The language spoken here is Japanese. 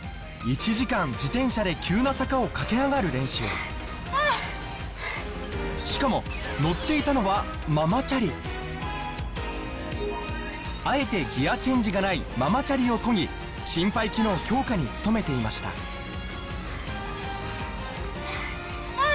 １時間自転車で急な坂を駆け上がる練習しかも乗っていたのはあえてギアチェンジがないママチャリをこぎ心肺機能強化に努めていましたハァ！